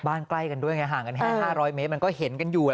บ้านใกล้กันด้วยไงห่างกันแค่ห้าร้อยเมตรมันก็เห็นกันอยู่